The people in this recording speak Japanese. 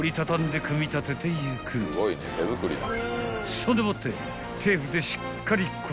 ［そんでもって］